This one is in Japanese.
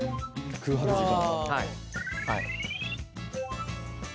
空白時間。